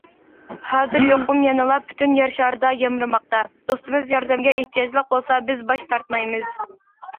ھازىر، يۇقۇم يەنىلا پۈتۈن يەر شارىدا يامرىماقتا، دوستىمىز ياردەمگە ئېھتىياجلىق بولسا، بىز باش تارتمايمىز.